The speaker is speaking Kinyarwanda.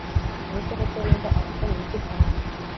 Ubu se koko Linda arakorera iki Samantha